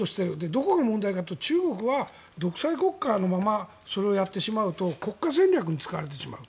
どこが問題かというと中国は独裁国家のままそれをやってしまうと国家戦略に使われてしまう。